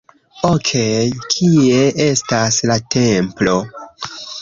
Okej, kie estas la templo?